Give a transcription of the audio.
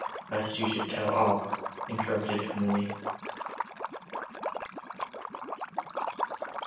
"Lest you should tell all," interrupted Emily.